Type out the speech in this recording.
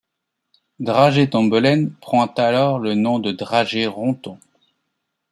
Dragey-Tombelaine prend alors le nom de Dragey-Ronthon.